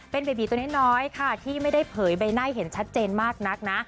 เป็นเบบีตัวน้อยค่ะที่ไม่ได้เผยใบหน้าเห็นชัดเจนมากนักนะ